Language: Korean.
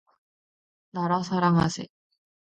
나라 사랑하세